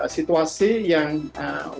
situasi yang wajib